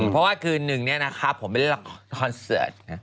เพราะว่าคืนหนึ่งนี้นะครับผมไปลากอนเซิร์ต